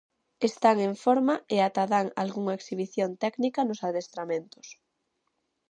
Están en forma e ata dan algunha exhibición técnica nos adestramentos.